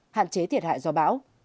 hạn chế thiệt hại do bão